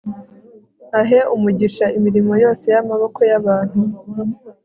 ahe umugisha imirimo yose yamaboko yabantu